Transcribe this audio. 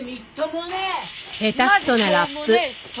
下手くそなラップ。